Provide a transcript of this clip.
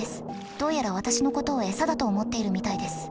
どうやら私のことを餌だと思っているみたいです。